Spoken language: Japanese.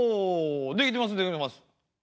できてますできてます。